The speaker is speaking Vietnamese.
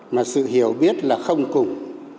mà sự hiểu biết là không cùng